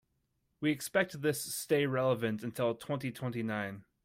We expect this stay relevant until twenty-twenty-nine.